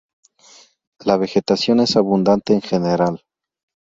La vegetación es abundante en general.